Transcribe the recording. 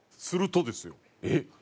するとですよ